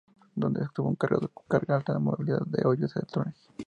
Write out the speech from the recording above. Donde se obtuvo un cargador de carga alta de movilidad para hoyos y electrones.